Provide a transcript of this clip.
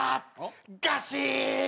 ガシーッ！